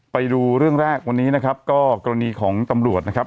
ไปดูเรื่องแรกวันนี้นะครับก็กรณีของตำรวจนะครับ